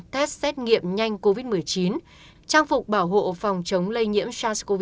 test xét nghiệm nhanh covid một mươi chín trang phục bảo hộ phòng chống lây nhiễm sars cov hai